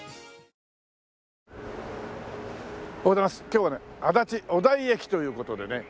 今日はね足立小台駅という事でね